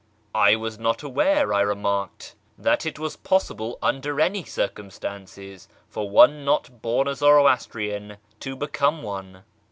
' I was not aware," I remarked, " that it was possible under any circumstances for one not born a Zoroastrian to become one.